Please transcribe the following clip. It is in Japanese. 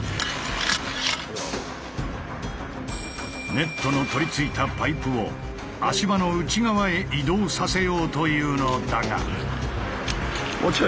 ネットの取り付いたパイプを足場の内側へ移動させようというのだが。